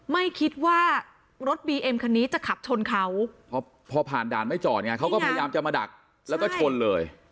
ไม่คิดว่ารถบีเอ็มคันนี้จะขับชนเขาพอผ่านด่านไม่จอดไงเขาก็พยายามจะมาดักแล้วก็ชนเลย